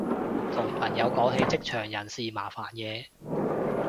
同朋友講起職場人事麻煩嘢